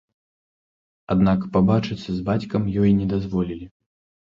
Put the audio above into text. Аднак пабачыцца з бацькам ёй не дазволілі.